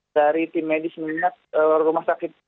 dari tim medis mengingat rumah sakit